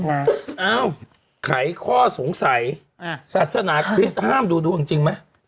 อ้าวไขข้อสงสัยศาสนาคริสต์ห้ามดูจริงมั้ย